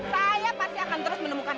saya pasti akan terus menemukan